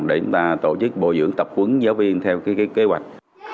để chúng ta tổ chức bồi dưỡng tập quấn giáo viên theo kế hoạch